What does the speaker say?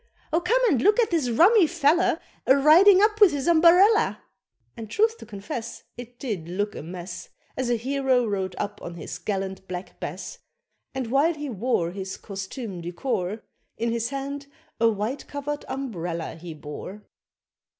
Oh come and look at this rummy fella A riding up with his umberella!" And truth to confess, It did look a mess, As a hero rode up on his gallant Black Bess, And while he wore His costume du corps, In his hand a white covered umbrella he bore.